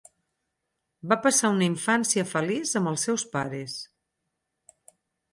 Va passar una infància feliç amb els seus pares.